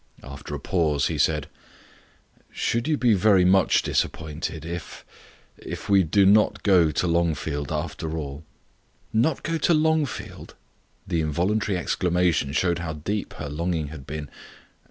After a pause he said: "Should you be very much disappointed if if we do not go to Longfield after all?" "Not go to Longfield!" The involuntary exclamation showed how deep her longing had been.